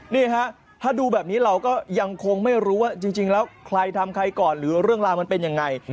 นี่ฮะถ้าดูแบบนี้เราก็ยังคงไม่รู้ว่าจริงแล้วใครทำใครก่อนหรือเรื่องราวมันเป็นยังไง